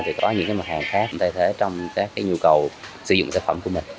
thì có những mặt hàng khác thay thế trong các nhu cầu sử dụng thực phẩm của mình